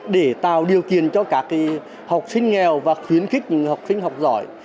để tạo điều kiện cho các học sinh nghèo và khuyến khích những học sinh học giỏi